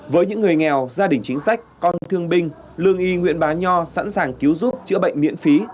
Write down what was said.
với những người nghèo gia đình chính sách con thương binh lương y nguyễn bá nho sẵn sàng cứu giúp chữa bệnh miễn phí